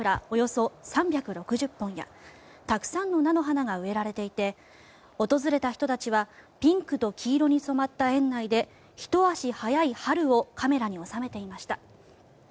およそ３６０本やたくさんの菜の花が植えられていて、訪れた人たちはピンクと黄色に染まった園内でひと足早い春をカメラに収めていました。